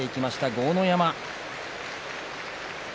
豪ノ山。